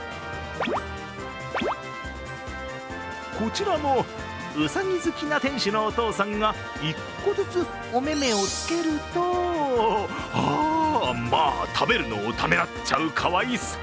こちらも、うさぎ好きな店主のお父さんが１個ずつおめめをつけるとああ、まあ食べるのをためらっちゃうかわいさ！